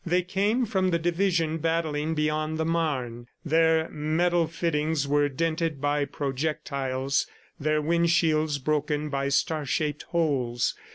They came from the division battling beyond the Marne. Their metal fittings were dented by projectiles, their wind shields broken by star shaped holes.